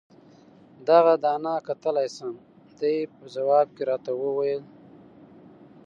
دغه دانه کتلای شم؟ دې په ځواب کې راته وویل.